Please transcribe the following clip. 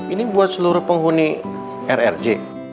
ini buat seluruh penghuni rrj